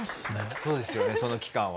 そうですよねその期間は。